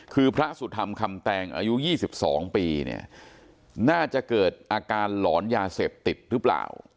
คือพระสุธรรมคำแตงอายุ๒๒ปีเนี่ยน่าจะเกิดอาการหลอนยาเสพติดหรือเปล่า